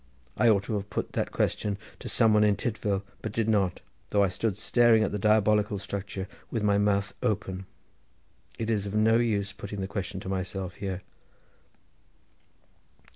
I ought to have put that question to some one in Tydvil, but did not, though I stood staring at the diabolical structure with my mouth open. It is of no use putting the question to myself here.